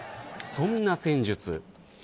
そんな戦術。